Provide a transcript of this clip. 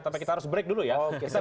tapi kita harus break dulu ya